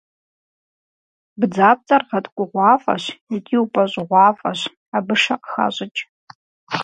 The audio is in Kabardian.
Бдзапцӏэр гъэткӏугъуафӏэщ икӏи упӏэщӏыгъуафӏэщ, абы шэ къыхащӏыкӏ.